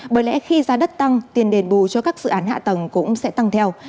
bởi lẽ khi giá đất tăng tiền đền bù cho các dự án hạ tầng cũng sẽ tăng theo